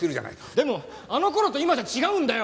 でもあの頃と今じゃ違うんだよ！